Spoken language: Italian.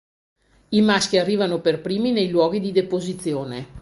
I maschi arrivano per primi nei luoghi di deposizione.